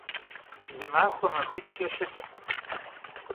Zı maxue - maxuit'ç'e şılh!